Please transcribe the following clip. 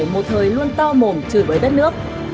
một thời luôn to mồm trừ với đất nước